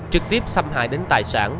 trực tiếp xâm hại đến tài sản